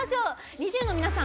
ＮｉｚｉＵの皆さん